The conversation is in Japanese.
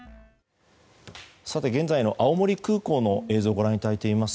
現在の青森空港の映像をご覧いただいています。